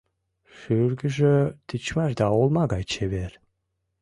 Шӱргыжӧ тичмаш да олма гай чевер.